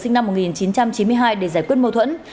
sinh năm một nghìn chín trăm chín mươi hai để giải quyết mâu thuẫn